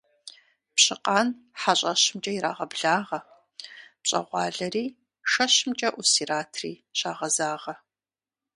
Пщыкъан хьэщӀэщымкӀэ ирагъэблагъэ, пщӀэгъуалэри шэщымкӀэ Ӏус иратри щагъэзагъэ.